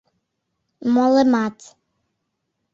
Молымат.